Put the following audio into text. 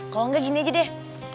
kalau enggak gini aja deh